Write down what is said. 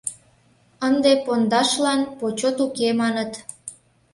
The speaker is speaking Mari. — Ынде пондашлан почёт уке, маныт.